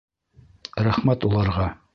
Рәхмәт уларға!